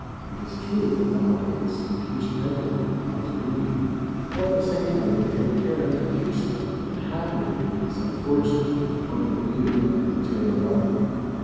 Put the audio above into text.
It is true that nowadays we teach every one how to read, but at the same time we take care to teach them that the habit of reading is unfortunate from the point of view of their material welfare.